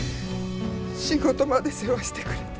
仕事まで世話してくれて。